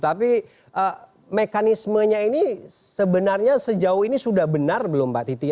tapi mekanismenya ini sebenarnya sejauh ini sudah benar belum mbak titi